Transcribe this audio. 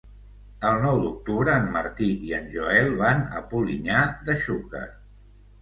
El nou d'octubre en Martí i en Joel van a Polinyà de Xúquer.